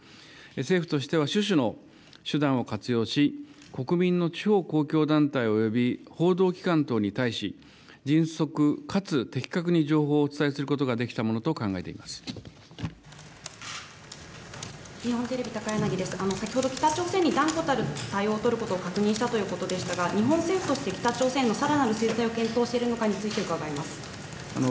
政府としては種々の手段を活用し、国民の地方公共団体および報道機関等に対し、迅速かつ的確に情報をお伝えすることができたものと先ほど、北朝鮮に断固たる対応を取ることを確認したということでしたが、日本政府として北朝鮮のさらなる制裁を検討しているのかについて伺います。